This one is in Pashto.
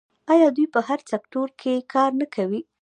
آیا دوی په هر سکتور کې کار نه کوي؟